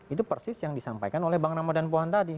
itu persis yang disampaikan oleh bang ramadhan pohan tadi